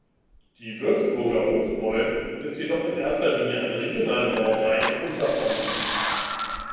Die Würzburger Hofbräu ist jedoch in erster Linie eine regionale Brauerei in Unterfranken.